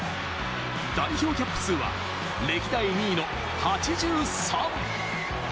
代表キャップ数は歴代２位の８３。